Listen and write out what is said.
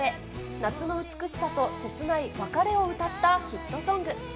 夏の美しさとせつない別れを歌ったヒットソング。